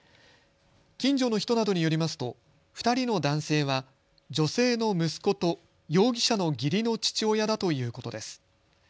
近所の人などによりますと２人の男性は女性の息子と容疑者の義理の父親だということです。